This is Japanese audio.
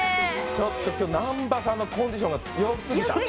ちょっと南波さんのコンディションがよすぎた。